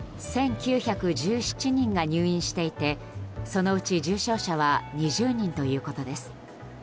１９１７人が入院していてそのうち重症者は２０人ということです。